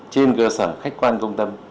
trên cơ sở khách quan công tâm